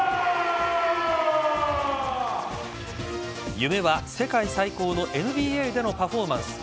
夢は世界最高のＮＢＡでのパフォーマンス。